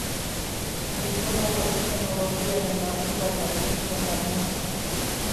Gizonak oxigeno botilaren laguntzaz hartzen zuen arnasa.